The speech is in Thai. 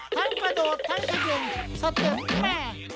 ทั้งกระโดดทั้งกระเย็นสะเติบแม่